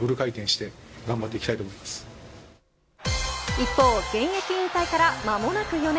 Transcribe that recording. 一方、現役引退から間もなく４年。